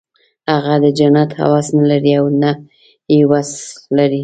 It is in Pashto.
هغه د جنت هوس نه لري او نه یې وس لري